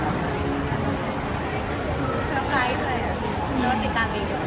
เกิดถึงใจไหมที่ตอนนี้